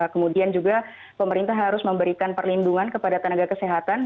kemudian juga pemerintah harus memberikan perlindungan kepada tenaga kesehatan